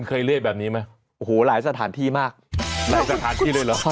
เคล็ดเลยงานนี้หัวแตก